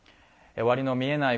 終わりの見えない